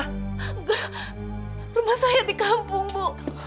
enggak rumah saya di kampung bu